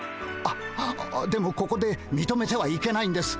あっでもここでみとめてはいけないんです。